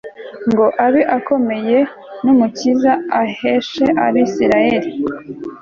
ngo abe ukomeye n umukiza aheshe abisirayeli